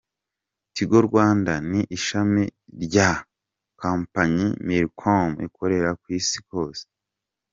Tigo Rwanda ni ishami rya Kompanyi Millicom ikorera ku isi hose.